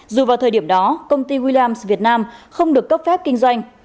dù vào thời điểm đó công ty wilames việt nam không được cấp phép kinh doanh